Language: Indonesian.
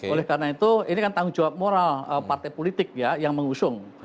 oleh karena itu ini kan tanggung jawab moral partai politik ya yang mengusung